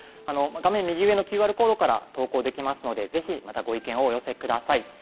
画面右上のＱＲコードから投稿できますので、ぜひまた、ご意見をお寄せください。